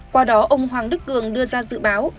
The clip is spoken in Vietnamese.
qua đó ông hoàng đức cường đưa ra dự báo